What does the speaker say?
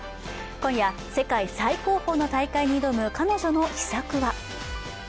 今夜、世界最高峰の大会に挑む彼女の秘策は。